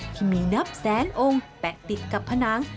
ที่มีนับแสนองค์แปะติดกับผนัง